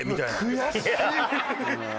悔しい。